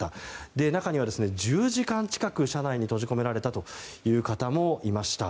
中には１０時間近く車内に閉じ込められた方もいました。